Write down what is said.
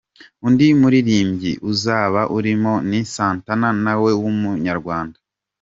Undi muririmbyi uzaba urimo ni Santana na we w’Umunyarwanda.